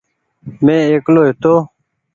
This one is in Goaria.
مينٚ اڪيلو هيتو